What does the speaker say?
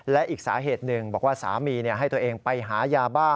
และอีกสาเหตุหนึ่งบอกว่าสามีให้ตัวเองไปหายาบ้า